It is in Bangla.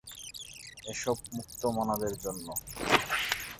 এসব মুক্তমনাদের জন্য।